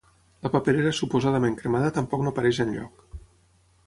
La paperera suposadament cremada tampoc no apareix enlloc.